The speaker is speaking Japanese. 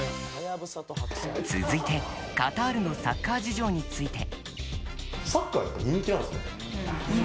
続いて、カタールのサッカー事情について。